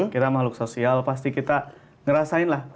kita makhluk sosial pasti kita ngerasain lah